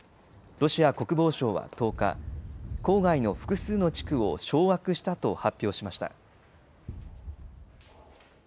ロシア国防省は１０日、郊外の複数の地区を掌握したと発表しました。